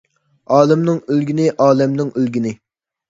ئالىمنىڭ ئۆلگىنى ئالەمنىڭ ئۆلگىنى.